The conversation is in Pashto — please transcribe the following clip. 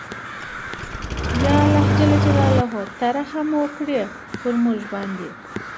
ېاالله ته رحم وکړې پرموګ باندې